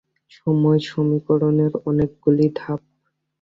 সময় সমীকরণের অনেকগুলি ধাপ।